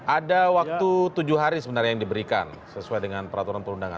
ada waktu tujuh hari sebenarnya yang diberikan sesuai dengan peraturan perundangan